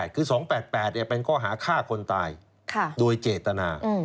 คือ๒๘๘เป็นข้อหาฆ่าคนตายโดยเจตนา